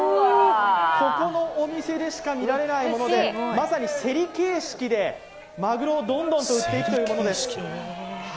ここのお店でしか見られないものでまさに競り形式でまぐろをどんどんと売っていくということです。